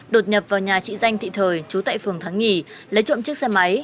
đột nhập vào nhà trị danh thị thời trú tại phường thắng nghì lấy trộm chiếc xe máy